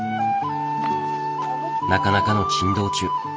なかなかの珍道中。